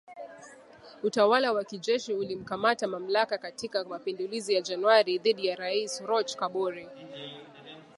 Utawala wa kijeshi ulikamata mamlaka katika mapinduzi ya Januari dhidi ya Rais Roch Kabore.